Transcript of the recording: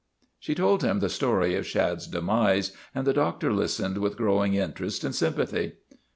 She told him the story of Shad's demise and the doctor listened with growing interest and sympathy.